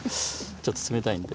ちょっと冷たいんで。